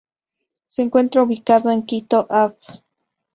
Se encuentra ubicado en Quito, Av.